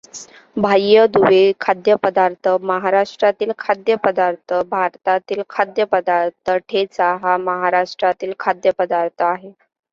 बाह्य दुवे खाद्यपदार्थ महाराष्ट्रातील खाद्यपदार्थ भारतातील खाद्यपदार्थ ठेचा हा महाराष्ट्रातील खाद्यपदार्थ आहे.